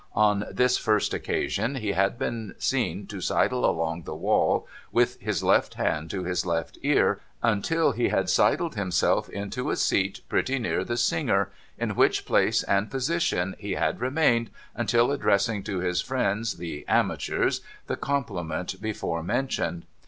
On this first occasion he had been seen to sidle along the wall, with his left hand to his left ear, until he had sidled himself into a seat pretty near the singer, in which place and position he had remained, until addressing to his friends the amateurs the compliment before mentioned.